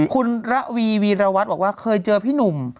คุณระวีวีรวัตรบอกว่าเคยเจอพี่หนุ่ม